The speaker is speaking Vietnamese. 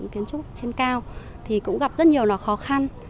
kiến trúc trên cao thì cũng gặp rất nhiều là khó khăn